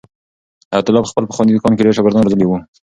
حیات الله په خپل پخواني دوکان کې ډېر شاګردان روزلي وو.